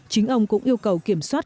chính ông cũng yêu cầu kiểm soát